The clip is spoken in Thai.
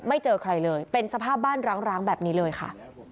เจอใครเลยเป็นสภาพบ้านร้างแบบนี้เลยค่ะ